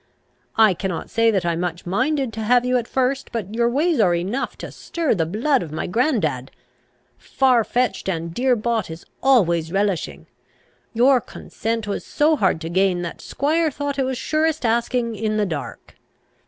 I cannot say that I much minded to have you at first; but your ways are enough to stir the blood of my grand dad. Far fetched and dear bought is always relishing. Your consent was so hard to gain, that squire thought it was surest asking in the dark.